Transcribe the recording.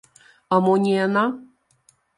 А мо не яна?